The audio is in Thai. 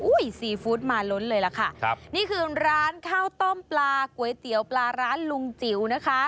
ซีฟู้ดมาล้นเลยล่ะค่ะครับนี่คือร้านข้าวต้มปลาก๋วยเตี๋ยวปลาร้านลุงจิ๋วนะคะ